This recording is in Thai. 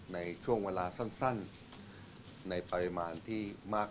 ในช่วงเวลาสั้นในปริมาณที่มาก